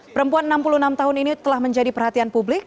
perempuan enam puluh enam tahun ini telah menjadi perhatian publik